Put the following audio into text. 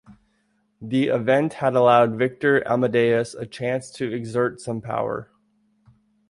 The event had allowed Victor Amadeus a chance to exert some power.